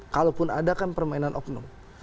kalaupun ada kan permainan oknum